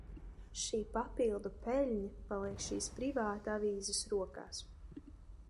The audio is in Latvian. Šī papildu peļņa paliek šīs privātavīzes rokās.